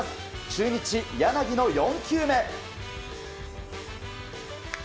中日、柳の４球目。